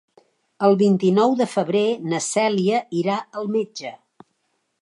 El vint-i-nou de febrer na Cèlia irà al metge.